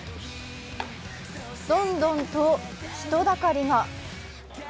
どんどんと人だかりが。